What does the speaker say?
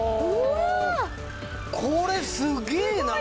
これすげえな！